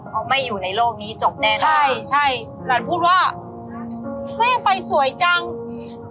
เขาไม่อยู่ในโลกนี้จบแน่นอนใช่ใช่หลานพูดว่าแม่ไฟสวยจังอืม